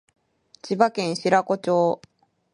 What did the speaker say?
千葉県白子町